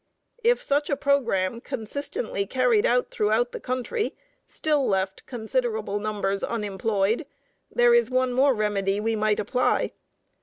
If such a programme, consistently carried out throughout the country, still left considerable numbers unemployed, there is one more remedy we might apply.